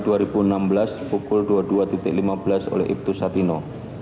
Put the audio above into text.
januari dua ribu enam belas pukul dua puluh dua lima belas oleh ibtus satino